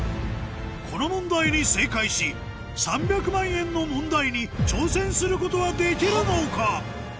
この問題に正解し３００万円の問題に挑戦することはできるのか？